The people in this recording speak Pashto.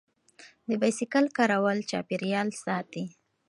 د بایسکل کارول چاپیریال ساتي.